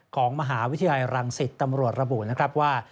ของมหาวิทยาลัยรังสิตตำรวจระบุนะครับว่า